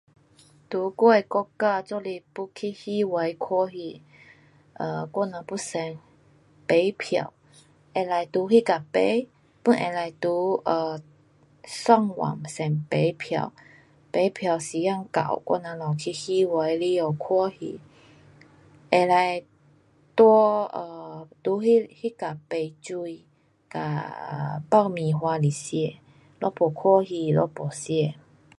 在我的国家若是要去戏院看戏 um 我人要先买票，可以在那角买，pun 可以在 um 上网先买票。买票时间到，我人就去戏院里哦看戏。可以在 um 在那，那角买水跟 um 爆米花来吃。我没看戏我没吃。